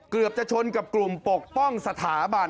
เกือบจะชนกับกลุ่มปกป้องสถาบัน